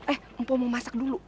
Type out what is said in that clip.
eh empo mau masak dulu